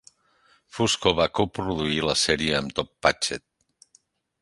Fusco va coproduir la sèrie amb Tom Patchett.